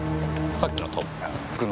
さっきの。